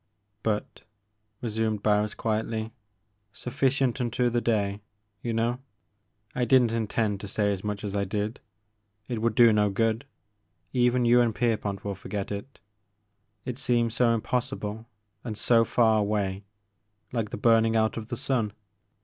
"But," resumed Barris quietly, sufl5cient unto the day,' you know, — I did n't intend to say as much as I did, — ^it would do no good, — even you and Kerpont will forget it, — it seems so im possible and so far away, — ^like the burning out of the sun.